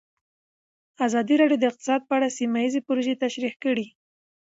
ازادي راډیو د اقتصاد په اړه سیمه ییزې پروژې تشریح کړې.